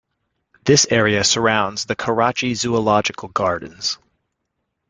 This area surrounds the Karachi Zoological Gardens.